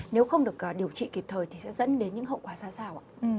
nếu không được điều trị kịp thời thì sẽ dẫn đến những hậu quả xa xào